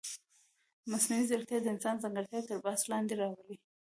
مصنوعي ځیرکتیا د انسان ځانګړتیاوې تر بحث لاندې راولي.